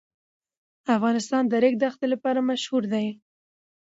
افغانستان د د ریګ دښتې لپاره مشهور دی.